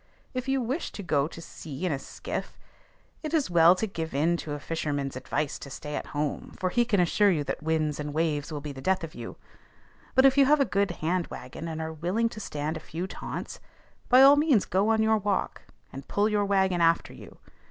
If you wish to go to sea in a skiff, it is well to give in to a fisherman's advice to stay at home, for he can assure you that winds and waves will be the death of you; but if you have a good hand wagon, and are willing to stand a few taunts, by all means go on your walk, and pull your wagon after you.